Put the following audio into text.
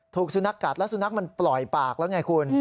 ถูกสุนัขกัดแล้วสุนัขมันปล่อยปากแล้วไงคุณ